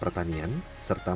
serta menyejahterakan kesehatan